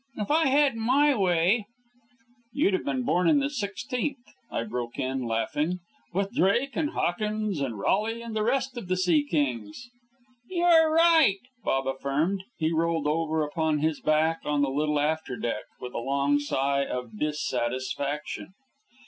If I'd had my way " "You'd have been born in the sixteenth," I broke in, laughing, "with Drake and Hawkins and Raleigh and the rest of the sea kings." "You're right!" Paul affirmed. He rolled over upon his back on the little after deck, with a long sigh of dissatisfaction.